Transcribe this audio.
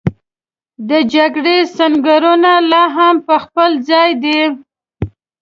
د جګړې سنګرونه لا هم په خپل ځای دي.